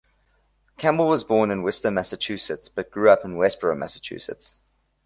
Campbell was born in Worcester, Massachusetts, but grew up in Westborough, Massachusetts.